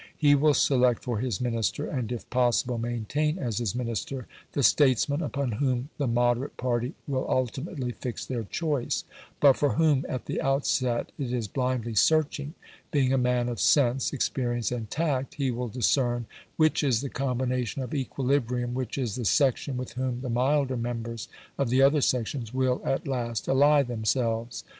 He will select for his Minister, and if possible maintain as his Minister, the statesman upon whom the moderate party will ultimately fix their choice, but for whom at the outset it is blindly searching; being a man of sense, experience, and tact, he will discern which is the combination of equilibrium, which is the section with whom the milder members of the other sections will at last ally themselves.